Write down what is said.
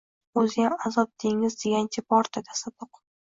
O‘ziyam Azob dengiz degancha bor-da, tasadduq!